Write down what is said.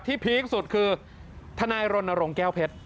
พีคสุดคือทนายรณรงค์แก้วเพชร